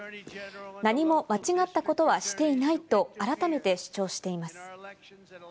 何も間違ったことはしていないと改めて主張しています。